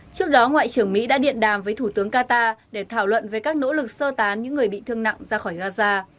trước đó ngoại trưởng mỹ đã điện đàm với thủ tướng qatar để thảo luận về các nỗ lực sơ tán những người bị thương nặng ra khỏi gaza